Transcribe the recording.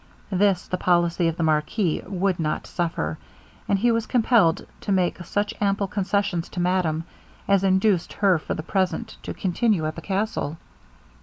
This the policy of the marquis would not suffer; and he was compelled to make such ample concessions to madame, as induced her for the present to continue at the castle.